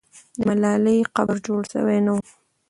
د ملالۍ قبر جوړ سوی نه وو.